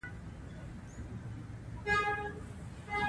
آیا خلک یې زیارت ته ورځي؟